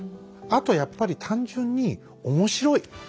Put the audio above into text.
あとやっぱり単純に面白い。